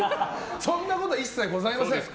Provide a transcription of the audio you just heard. そんなことは一切ございません。